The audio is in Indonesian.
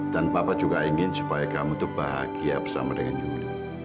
dan papa juga ingin supaya kamu tuh bahagia bersama dengan juli